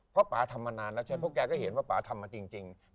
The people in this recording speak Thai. เพราะป่าทำมานานแล้วใช่ไหมเพราะแกก็เห็นว่าป่าทำมาจริง